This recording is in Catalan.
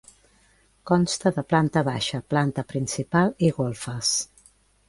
Consta de planta baixa, planta principal i golfes.